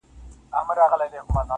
گلاب جانانه ته مي مه هېروه.